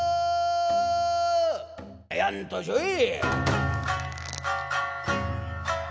「やんとしょい」。